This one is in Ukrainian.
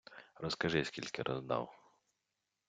- Розкажи, скільки роздав.